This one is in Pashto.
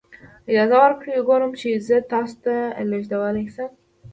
اجازه راکړئ وګورم چې زه تاسو ته لیږدولی شم.